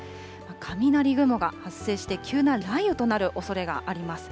雷雲が発生して、急な雷雨となるおそれがあります。